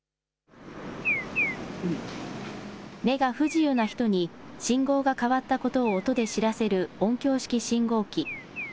目が不自由な人に、信号が変わったことを音で知らせる音響式信号機。